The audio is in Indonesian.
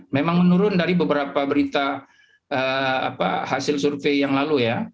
memang menurun dari beberapa berita hasil survei yang lalu ya